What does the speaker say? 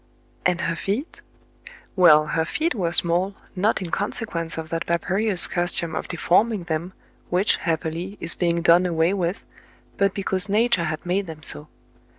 And her feet ? Well, her feet were small, not in consequence of that barbarotis custom of de forming them, which, happily, is being done away with, but because nature had made them so.